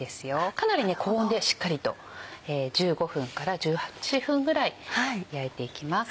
かなり高温でしっかりと１５分から１８分ぐらい焼いていきます。